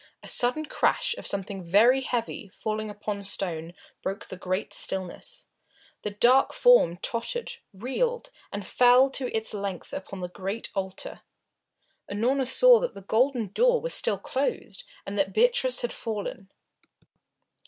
A sudden crash of something very heavy, falling upon stone, broke the great stillness the dark form tottered, reeled and fell to its length upon the great altar. Unorna saw that the golden door was still closed, and that Beatrice had fallen.